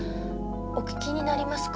お聞きになりますか？